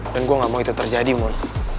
dan gue gak mau itu terjadi mon